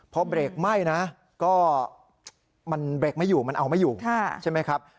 พอเบรกไหม้นะก็มันเบรกไม่อยู่มันเอาไม่อยู่ใช่ไหมครับ